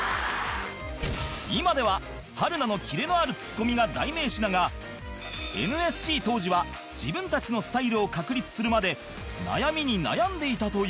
今では春菜のキレのあるツッコミが代名詞だが ＮＳＣ 当時は自分たちのスタイルを確立するまで悩みに悩んでいたという